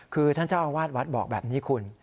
คือท่านเจ้าอาวาสวัดบอกแบบนี้คุณ